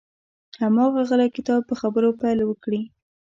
هماغه غلی کتاب په خبرو پیل وکړي.